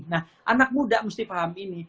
nah anak muda mesti paham ini